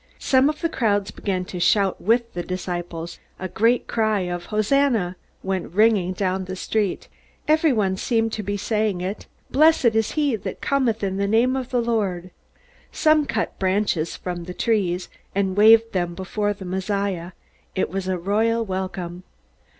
Some of the crowds began to shout with the disciples. A great cry of "Hosanna!" went ringing down the street. Everyone seemed to be saying it. "Blessed is he that cometh in the name of the Lord." Some cut branches from the trees, and waved them before the Messiah. It was a royal welcome.